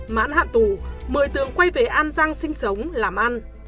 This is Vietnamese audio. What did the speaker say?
mãn hạn tù mười tường quay về an giang sinh sống làm ăn